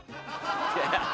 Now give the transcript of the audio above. いやいや。